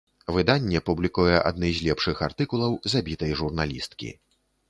Выданне публікуе адны з лепшых артыкулаў забітай журналісткі.